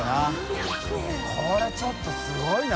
海ちょっとすごいな！